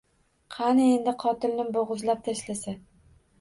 Qani endi qotilni bo’g’izlab tashlasa!